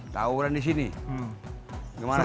tauran di sini gimana saya